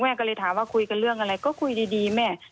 ก็เลยถามว่าคุยกันเรื่องอะไรก็คุยดีแม่